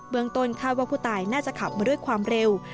เมืองต้นคาดว่าผู้ตายน่าจะขับมาด้วยความเร็ว